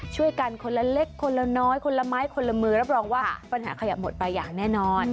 ช่วยกันคนละเล็กคนละน้อยคนละไม้คนละมือรับรองว่าปัญหาขยะหมดไปอย่างแน่นอน